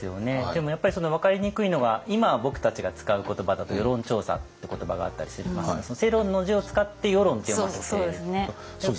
でもやっぱり分かりにくいのは今僕たちが使う言葉だと「世論調査」って言葉があったりしていますけど「世論」の字を使って「ヨロン」って読ませている。